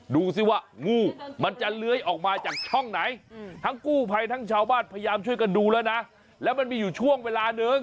ดูสิว่างูมันจะเลื้อยออกมาจากช่องไหนทั้งกู้ภัยทั้งชาวบ้านพยายามช่วยกันดูแล้วนะแล้วมันมีอยู่ช่วงเวลานึง